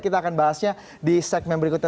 kita akan bahasnya di segmen berikutnya